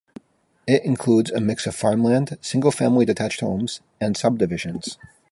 It includes a mix of farmland, single-family detached homes and subdivisions.